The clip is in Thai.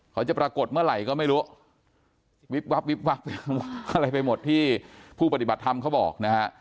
เขาจะปรากฏเมื่อไหร่ก็ไม่รู้วิบวับวิบวับอะไรไปหมดที่ผู้ปฏิบัติธรรมเขาบอกนะฮะ